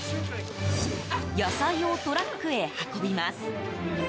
野菜をトラックへ運びます。